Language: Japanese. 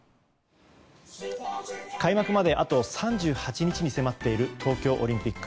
開幕まであと３８日に迫っている東京オリンピック。